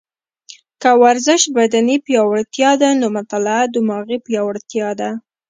که ورزش بدني پیاوړتیا ده، نو مطاله دماغي پیاوړتیا ده